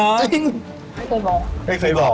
ไม่เคยบอก